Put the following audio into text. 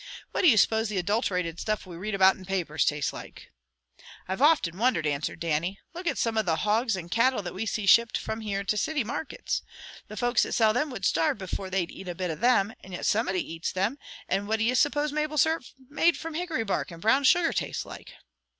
What do you suppose the adulterated stuff we read about in papers tastes like?" "I've often wondered," answered Dannie. "Look at some of the hogs and cattle that we see shipped from here to city markets. The folks that sell them would starve before they'd eat a bit o' them, yet somebody eats them, and what do ye suppose maple syrup made from hickory bark and brown sugar tastes like?"